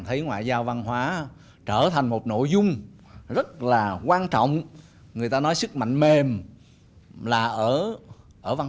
thấy ngoại giao văn hóa trở thành một nội dung rất là quan trọng người ta nói sức mạnh mềm là ở văn